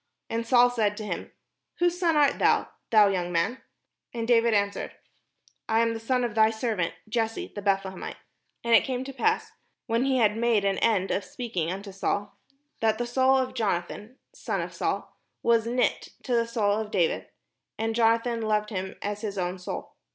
And Saul said to him: "Whose son art thou, thou young man?" And David answered: "I am the son of thy servant Jesse the Beth lehemite." And it came to pass, when he had made an end of speaking unto Saul, that the soul of Jonathan [son of Saul], was knit with the soul of David, and Jonathan loved him as his own soul.